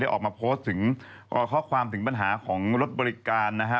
ออกมาโพสต์ถึงข้อความถึงปัญหาของรถบริการนะฮะ